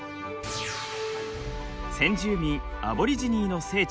先住民アボリジニーの聖地